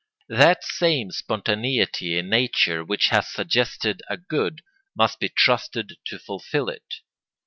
That same spontaneity in nature which has suggested a good must be trusted to fulfil it.